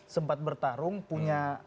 sempat bertarung punya